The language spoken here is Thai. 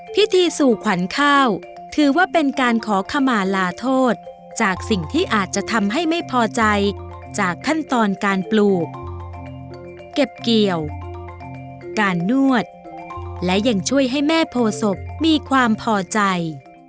พิธีสู่ขวัญข้าวถือว่าเป็นการขอขมาลาโทษจากสิ่งที่อาจจะทำให้ไม่พอใจจากขั้นตอนการปลูกเก็บเกี่ยวการนวดและยังช่วยให้แม่โพศพมีความพอใจ